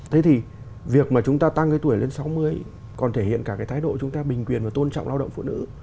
thế thì việc mà chúng ta tăng cái tuổi lên sáu mươi còn thể hiện cả cái thái độ chúng ta bình quyền và tôn trọng lao động phụ nữ